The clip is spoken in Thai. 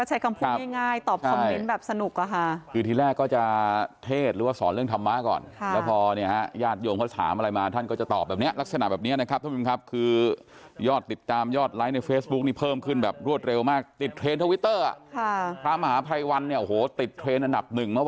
ดูนี้เป็นใจกลุ่มมายแถวนี้นะฮะ